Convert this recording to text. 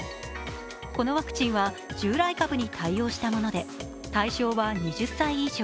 このワクチンは従来株に対応したもので、対象は２０歳以上。